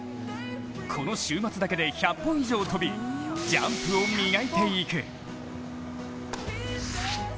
この週末だけで１００本以上飛びジャンプを磨いていく。